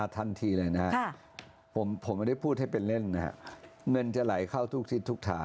ทันทีเลยนะครับผมไม่ได้พูดให้เป็นเล่นนะครับค่ะ